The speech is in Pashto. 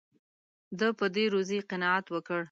ده په دې روزي قناعت وکړ.